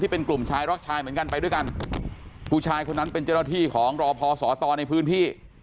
เป็นกลุ่มชายรักชายเหมือนกันไปด้วยกันผู้ชายคนนั้นเป็นเจ้าหน้าที่ของรอพอสตในพื้นที่